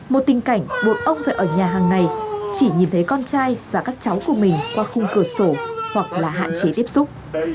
một tình cảnh buộc ông phải ở nhà hàng ngày chỉ nhìn thấy con trai và các cháu của mình qua khung cửa sổ hoặc là hạn chế tiếp xúc